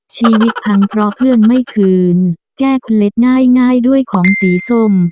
ชีวิตพังเพราะเพื่อนไม่คืนแก้คนเล็กง่ายด้วยของสีส้ม